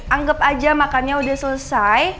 anggap aja makannya udah selesai